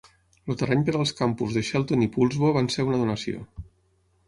El terreny per als campus de Shelton i Poulsbo van ser una donació.